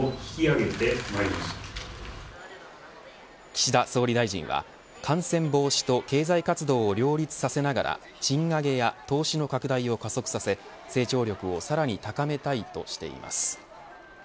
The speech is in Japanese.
岸田総理大臣は感染防止と経済活動を両立させながら賃上げや投資の拡大を加速させ成長力をさらに高めたいとしています。